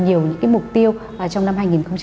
nhiều những mục tiêu trong năm hai nghìn một mươi chín